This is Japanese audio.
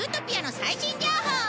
最新情報！